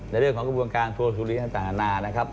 ในเรื่องของกระบวงการโทรศุรีธรรมดานะครับ